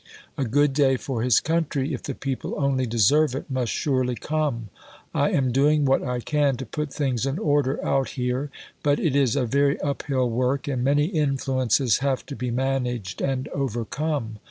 A good day for his country, if the people only deserve it, must surely come. I am doing what I can to put things in order out here; but it is a very uphill work, and many influences have to be managed and overcome.